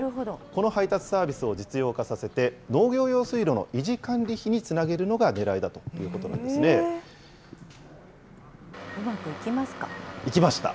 この配達サービスを実用化させて、農業用水路の維持管理費につなげるのがねらいだということなんでうまくいきますか？